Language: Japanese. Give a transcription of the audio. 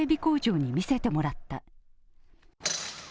工場に見せてもらった。